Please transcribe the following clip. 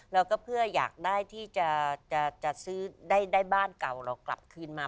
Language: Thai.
เราก็เพื่ออยากได้ที่จะซื้อได้บ้านเก่าเรากลับคืนมา